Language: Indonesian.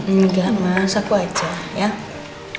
enggak mas aku aja ya